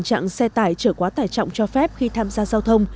tình trạng xe tải trở quá tải trọng cho phép khi tham gia giao thông